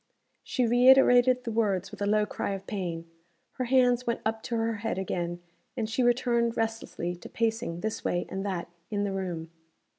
She reiterated the words with a low cry of pain. Her hands went up to her head again; and she returned restlessly to pacing this way and that in the room.